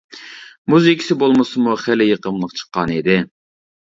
مۇزىكىسى بولمىسىمۇ خېلى يېقىملىق چىققان ئىدى.